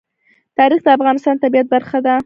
تاریخ د افغانستان د طبیعت برخه ده.